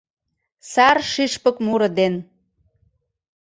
Сар шÿшпык муро ден.